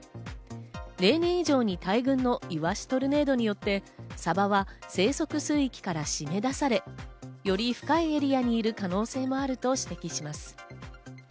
例年以上に大群のイワシトルネードによってサバは生息水域から締め出され、より深いエリアにいる可能性もあると指摘します。